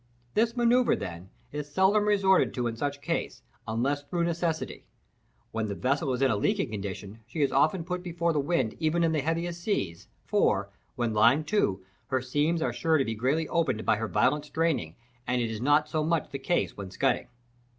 This manoeuvre, then, is seldom resorted to in such case, unless through necessity. When the vessel is in a leaky condition she is often put before the wind even in the heaviest seas; for, when lying to, her seams are sure to be greatly opened by her violent straining, and it is not so much the case when scudding.